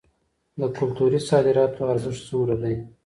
د کلتوري صادراتو ارزښت څومره دی؟